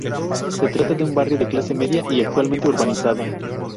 Se trata de un barrio de clase media y altamente urbanizado.